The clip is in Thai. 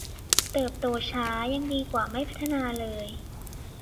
เติบโตช้ายังดีกว่าไม่พัฒนาเลย